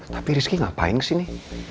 tapi rizky ngapain kesini